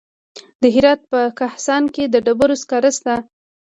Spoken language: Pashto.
د هرات په کهسان کې د ډبرو سکاره شته.